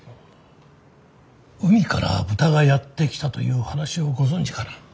「海から豚がやってきた」という話をご存じかな？